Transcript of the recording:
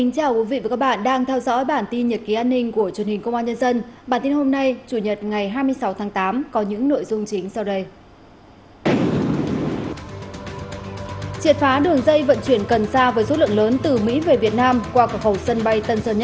cảm ơn các bạn đã theo dõi